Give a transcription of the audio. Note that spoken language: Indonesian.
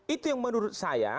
itu yang menurut saya